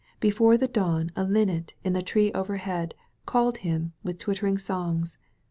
Before the dawn a linnet in the tree overhead called him with twittering songs.